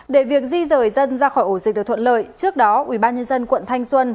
để việc di rời dân ra khỏi ổ dịch được thuận lợi trước đó ubnd quận thanh xuân